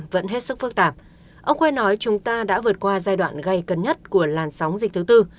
vẫn hết sức phức tạp ông khoe nói chúng ta đã vượt qua giai đoạn gây cấn nhất của làn sóng dịch thứ tư